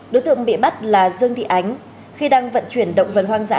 đối tượng bị bắt là dương thị ánh khi đang vận chuyển động vật hoang dã